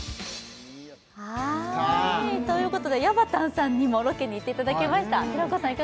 はいということでやばたんさんにもロケに行っていただきました平子さん